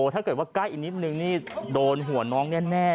ถ้าเกิดว่าใกล้อีกนิดนึงนี่โดนหัวน้องแน่